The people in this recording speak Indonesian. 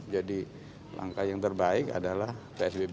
jadi langkah yang terbaik adalah psbb